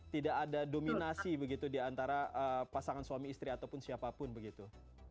tidak ada dominasi begitu diantara pasangan suami istri ataupun siapapun begitu